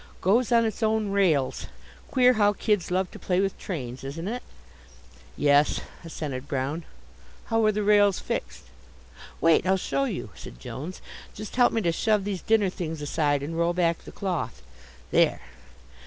"Goes on its own rails. Queer how kids love to play with trains, isn't it?" "Yes," assented Brown. "How are the rails fixed?" "Wait, I'll show you," said Jones. "Just help me to shove these dinner things aside and roll back the cloth. There!